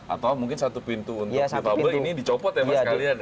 atau mungkin satu pintu untuk metable ini dicopot ya mas kalian ya